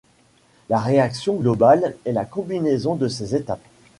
La réaction globale est la combinaison de ces étapes.